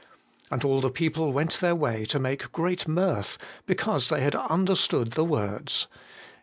And all the people went their way to make great mirth, because they had understood the words.'